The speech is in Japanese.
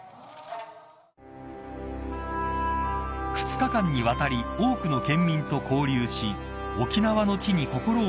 ［２日間にわたり多くの県民と交流し沖縄の地に心を寄せられた両陛下］